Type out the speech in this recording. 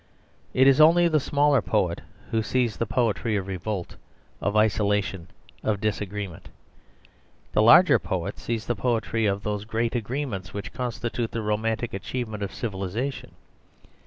It is only the smaller poet who sees the poetry of revolt, of isolation, of disagreement; the larger poet sees the poetry of those great agreements which constitute the romantic achievement of civilisation.